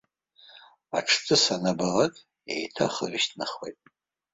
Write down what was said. Аҽҵыс анабалак еиҭа ахы ҩышьҭнахуеит.